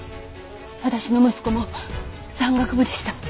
私の息子も山岳部でした。